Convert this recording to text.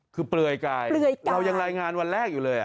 คือเปลือยกายเรายังรายงานวันแรกอยู่เลย